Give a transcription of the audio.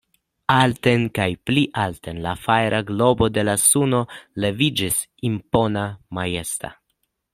Alten kaj pli alten la fajra globo de la suno leviĝis, impona, majesta.